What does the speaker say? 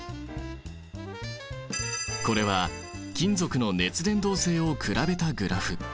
これは金属の熱伝導性を比べたグラフ。